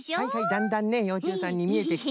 だんだんねようちゅうさんにみえてきた。